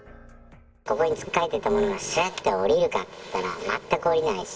のどにつっかえてたものが、すっと下りるかっていったら、全く下りないし。